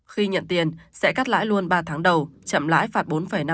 khi nhận tiền sẽ cắt lãi luôn ba tháng đầu chậm lãi phạt bốn năm